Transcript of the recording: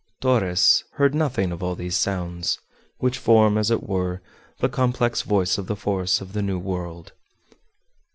Torres heard nothing of all these sounds, which form, as it were, the complex voice of the forests of the New World.